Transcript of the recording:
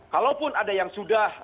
kalaupun ada yang sudah